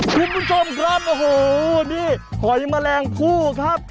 คุณผู้ชมครับโอ้โหนี่หอยแมลงผู้ครับ